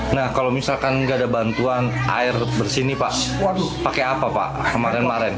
nah kalau misalkan nggak ada bantuan air bersih ini pak pakai apa pak kemarin kemarin